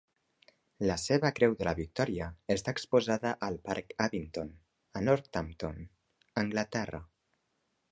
La seva Creu de la Victòria està exposada al parc Abington, a Northampton, Anglaterra.